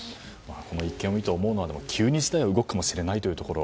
この一件を見て思うのは急に事態が動くかもしれないところ。